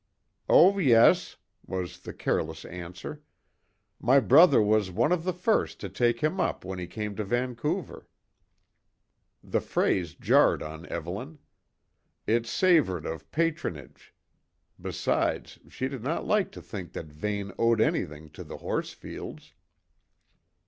"Oh, yes," was the careless answer. "My brother was one of the first to take him up when he came to Vancouver." The phrase jarred on Evelyn. It savoured of patronage; besides, she did not like to think that Vane owed anything to the Horsfields.